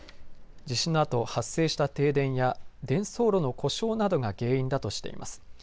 地震のあと発生した停電や伝送路の故障などが原因だとしています。